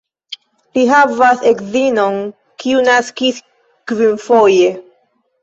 Li havas edzinon, kiu naskis kvinfoje.